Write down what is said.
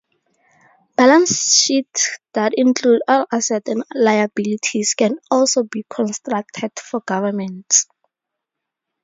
Balance sheets that include all assets and liabilities can also be constructed for governments.